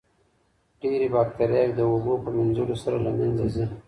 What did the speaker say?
ډېرې باکتریاوې د اوبو په مینځلو سره له منځه ځي.